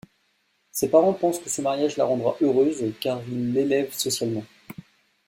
Ses parents pensent que ce mariage la rendra heureuse car il l'élève socialement.